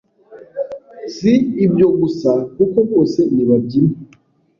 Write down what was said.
Si ibyo gusa kuko bose ntibabyina